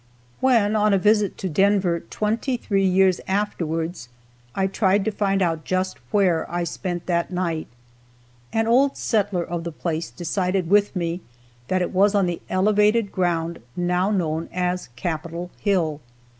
When on a visit to Denver, twenty three years afterwards, I tried to find out just where I spent that night. An old settler of the place decided with me that it was on the elevated ground now known as Capitol Hill.